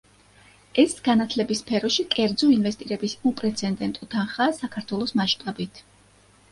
ეს განათლების სფეროში კერძო ინვესტირების უპრეცენდენტო თანხაა საქართველოს მასშტაბით.